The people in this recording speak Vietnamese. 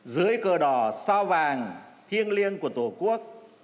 dưới cờ đỏ sao vàng thiêng liêng của tổ quốc